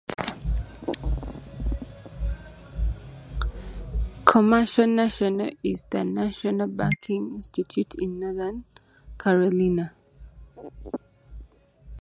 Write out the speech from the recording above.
Commercial National is the oldest national banking institution in North Carolina.